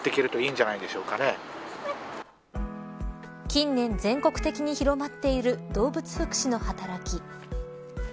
近年、全国的に広まっている動物福祉の働き。